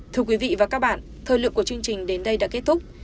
thưa quý vị và các bạn thời lượng của chương trình đến đây đã kết thúc